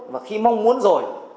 và khi mong muốn rồi